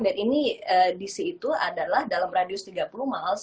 dan ini dc itu adalah dalam radius tiga puluh miles